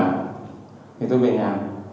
thì tôi về nhà